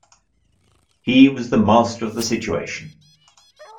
He was the master of the situation.